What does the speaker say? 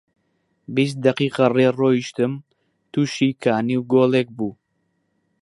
بیست دەقیقە ڕێ ڕۆیشتم، تووشی کانی و گۆلێک بوو